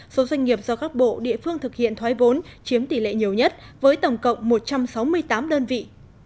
số doanh nghiệp do các bộ địa phương thực hiện thoái vốn chiếm tỷ lệ nhiều nhất với tổng cộng một trăm sáu mươi tám đơn vị